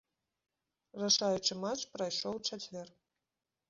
Рашаючы матч прайшоў у чацвер.